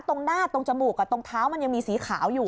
ตรงหน้าตรงจมูกตรงเท้ามันยังมีสีขาวอยู่